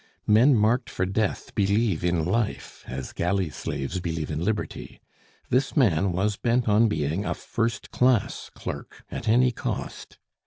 Men marked for death believe in life as galley slaves believe in liberty; this man was bent on being a first class clerk at any cost.